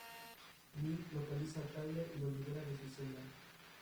Poco antes de eso se había convertido en el gobernante de Flandes de facto.